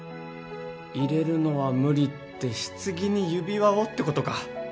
「入れるのは無理」って棺に指輪をってことか。